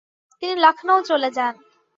তিনি লখনউ চলে যান।